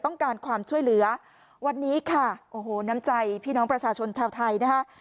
ต้องการความช่วยเหลือวันนี้ค่ะโอ้โหน้ำใจพี่น้องประชาชนชาวไทยนะคะ